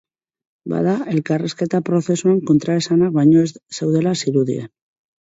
Bada, elkarrizketa prozesuan kontraesanak baino ez zeudela zirudien.